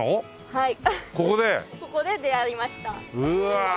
はい。